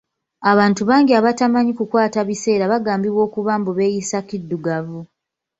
Abantu bangi abatamanyi kukwata biseera bagambibwa okuba mbu beeyisa kiddugavu.